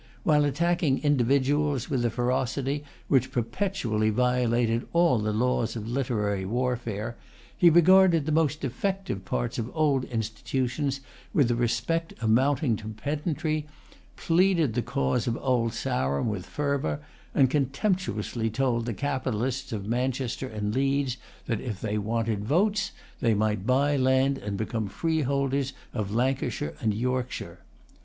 While attacking individuals with a ferocity which perpetually violated all the laws of literary warfare, he regarded the most defective parts of old institutions with a respect amounting to pedantry, pleaded the cause of Old Sarum with fervor, and contemptuously told the capitalists of Manchester and Leeds that, if they wanted votes, they might buy land and become freeholders of Lancashire and Yorkshire.